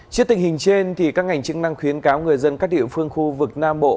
trước tình hình trên các ngành chức năng khuyến cáo người dân các địa phương khu vực nam bộ